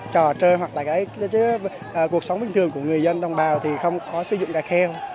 trò chơi hoặc là cái cuộc sống bình thường của người dân đồng bào thì không có sử dụng gạch kheo